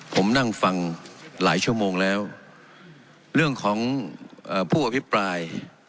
ผมนั่งฟังหลายชั่วโมงแล้วเรื่องของเอ่อผู้อภิปราย